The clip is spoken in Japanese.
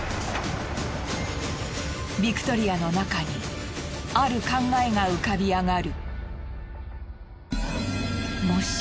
ビクトリアの中にある考えが浮かび上がる。